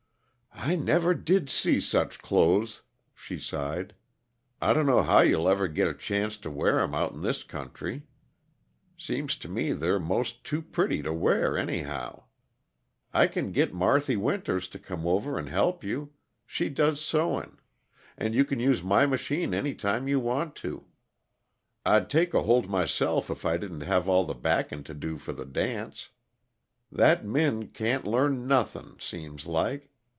"I never did see such clothes," she sighed. "I dunno how you'll ever git a chancet to wear 'em out in this country seems to me they're most too pretty to wear, anyhow, I can git Marthy Winters to come over and help you she does sewin' and you can use my machine any time you want to. I'd take a hold myself if I didn't have all the baking to do for the dance. That Min can't learn nothing, seems like.